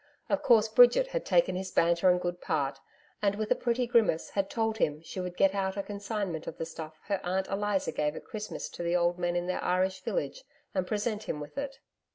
Of course, Bridget had taken his banter in good part, and with a pretty grimace had told him she would get out a consignment of the stuff her Aunt Eliza gave at Christmas to the old men in their Irish village and present him with it.